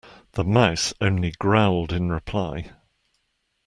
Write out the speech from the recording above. The Mouse only growled in reply.